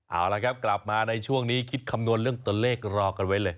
เอาละครับกลับมาในช่วงนี้คิดคำนวณเรื่องตัวเลขรอกันไว้เลย